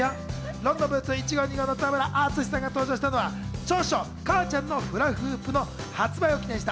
ロンドンブーツ１号２号の田村淳さんが登場したのは著書『母ちゃんのフラフープ』の発売を記念した